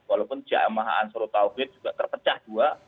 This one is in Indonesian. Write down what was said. walaupun jamaah ansarul tauhid juga terpecah dua